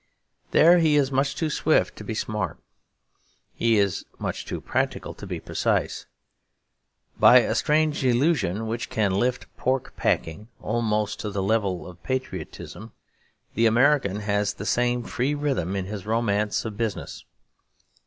There he is much too swift to be smart. He is much too practical to be precise. By a strange illusion which can lift pork packing almost to the level of patriotism, the American has the same free rhythm in his romance of business.